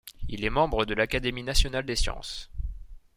Il est membre de l'Académie nationale des sciences.